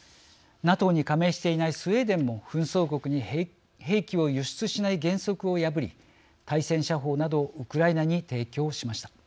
ＮＡＴＯに加盟していないスウェーデンも紛争国に兵器を輸出しない原則を破り対戦車砲などをウクライナに提供しました。